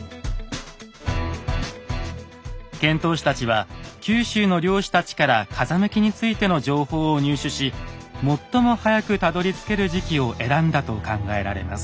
遣唐使たちは九州の漁師たちから風向きについての情報を入手し最も早くたどりつける時期を選んだと考えられます。